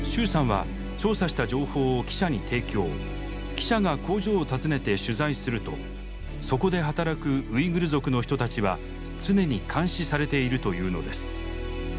記者が工場を訪ねて取材するとそこで働くウイグル族の人たちは常に監視されているというのです。